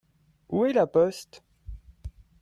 Où est la poste ?